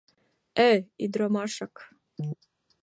Э... ӱдырамашак...